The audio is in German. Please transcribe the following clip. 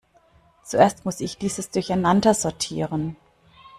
Zuerst muss ich dieses Durcheinander sortieren.